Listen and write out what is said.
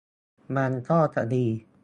มันก็จะดี